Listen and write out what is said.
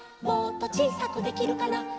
「もっとちいさくできるかな」